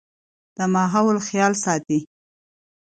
د ماحول خيال ساتئ